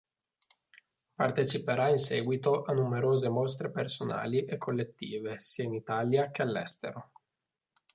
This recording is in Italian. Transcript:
Parteciperà in seguito a numerose mostre personali e collettive sia in Italia che all'estero.